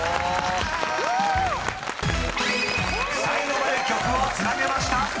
［最後まで曲をつなげました］